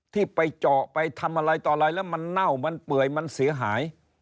ที่ไปเจาะไปทำอะไรต่ออะไรแล้วมันเน่ามันเปื่อยมันเสียหาย